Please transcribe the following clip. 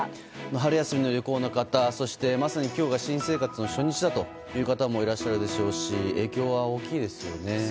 春休みの旅行の方そしてまさに今日が新生活の初日という方もいらっしゃるでしょうし影響は大きいですよね。